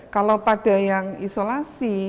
kalau pada yang isolasi